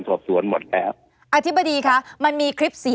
โทษเท่ากันไหมคะ